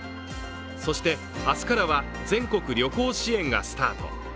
そして明日からは全国旅行支援がスタート。